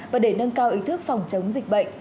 và để nâng cao ý thức phòng chống dịch bệnh